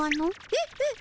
えっ？えっ？